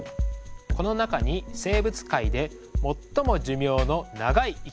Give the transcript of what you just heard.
この中に生物界で最も寿命の長い生きものがいます。